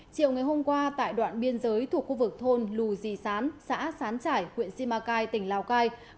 chiều ngày hôm qua tại đoạn biên giới thuộc khu vực thôn lù dì sán xã sán trải huyện simacai tỉnh lào cai